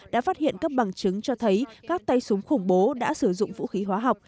đã phát hiện các bằng chứng cho thấy các tay súng khủng bố đã sử dụng vũ khí hóa học